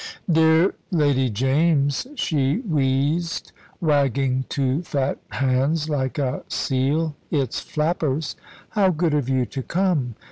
"Dear Lady James," she wheezed, wagging two fat hands, like a seal its flappers, "how good of you to come!